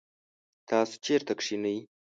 تاسو چیرته کښېنئ؟